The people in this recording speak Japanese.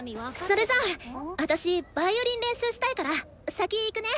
それじゃあ私ヴァイオリン練習したいから先行くね！